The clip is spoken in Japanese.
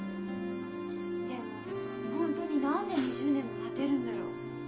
でも本当に何で２０年も待てるんだろ？